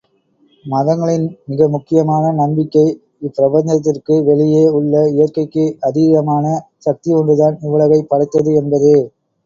மதங்களின் மிக முக்கியமான நம்பிக்கை, இப்பிரபஞ்சத்திற்கு வெளியே உள்ள இயற்கைக்கு அதீதமான சக்தி ஒன்றுதான் இவ்வுலகைப் படைத்தது என்பதே.